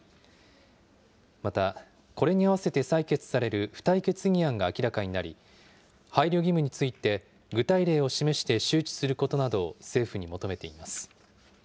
また、これにあわせて採決される付帯決議案が明らかになり、配慮義務について具体例を示して周知することなどを政府に求めています。